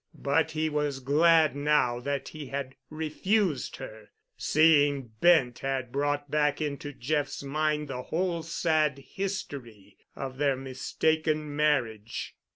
But he was glad now that he had refused her. Seeing Bent had brought back into Jeff's mind the whole sad history of their mistaken marriage.